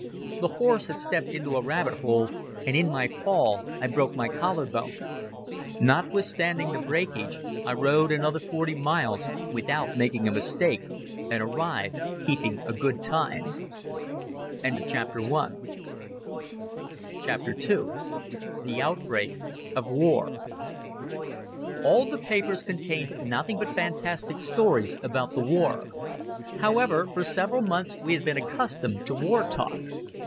The horse had stepped into a rabbit hole and in my fall I broke my collar bone. Notwithstanding the breakage, I rode another forty miles without making a mistake and arrived keeping good time. II The Outbreak of War ALL the papers contained nothing but fantastic stories about the war. However, for several months we had been accustomed to war talk.